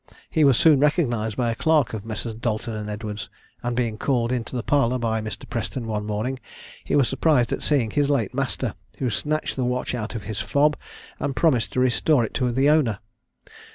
He was soon recognised by a clerk of Messrs. Dalton and Edwards, and, being called into the parlour by Mr. Preston one morning, he was surprised at seeing his late master, who snatched the watch out of his fob, and promised to restore it to the owner.